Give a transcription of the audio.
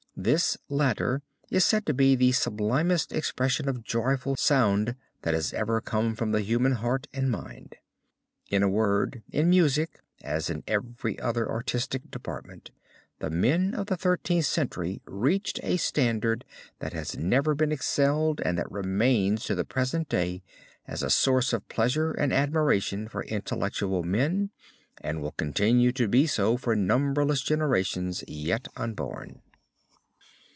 This latter is said to be the sublimest expression of joyful sound that has ever come from the human heart and mind. In a word, in music as in every other artistic department, the men of the Thirteenth Century reached a standard that has never been excelled and that remains to the present day as a source of pleasure and admiration for intellectual men, and will continue to be so for numberless generations yet unborn.